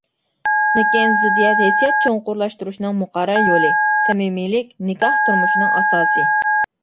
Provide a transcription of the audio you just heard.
لېكىن زىددىيەت ھېسسىيات چوڭقۇرلاشتۇرۇشنىڭ مۇقەررەر يولى، سەمىمىيلىك نىكاھ تۇرمۇشىنىڭ ئاساسى.